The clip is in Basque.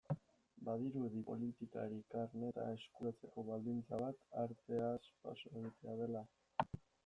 Badirudi politikari karneta eskuratzeko baldintza bat arteaz paso egitea dela?